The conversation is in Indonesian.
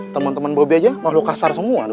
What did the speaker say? temen temen bobi aja mahluk kasar semua